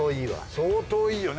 相当いいよね